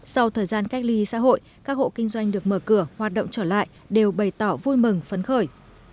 sau thời gian cách ly xã hội các hộ kinh doanh được mở cửa hoạt động trở lại đều bày tỏ vui mừng phấn khởi